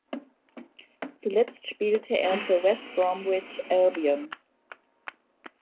Zuletzt spielte er für West Bromwich Albion.